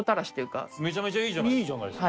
めちゃめちゃいいじゃないですか。